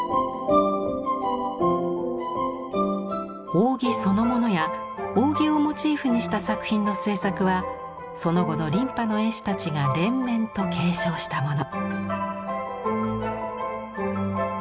扇そのものや扇をモチーフにした作品の制作はその後の琳派の絵師たちが連綿と継承したもの。